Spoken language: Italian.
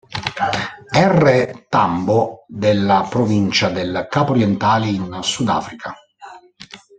R. Tambo della Provincia del Capo Orientale in Sudafrica.